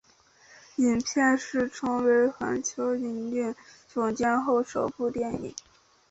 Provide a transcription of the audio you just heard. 影片是成为环球影业总监后的首部电影。